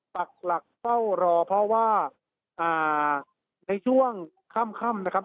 ปักหลักเฝ้ารอเพราะว่าในช่วงค่ำนะครับ